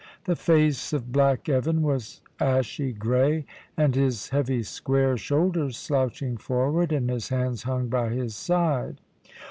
The face of black Evan was ashy grey, and his heavy square shoulders slouching forward, and his hands hung by his side.